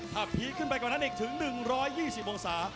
ถ้าพีคขึ้นไปกว่านั้นอีกถึง๑๒๐องศา